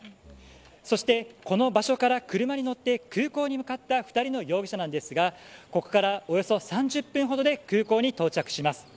そして、この場所から車に乗って空港に向かった２人の容疑者なんですがここから、およそ３０分ほどで空港に到着します。